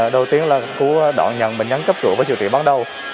đầu tiên là khu đoạn nhận bệnh nhân cấp trụ với điều trị bắt đầu